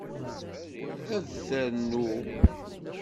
Ad ternu?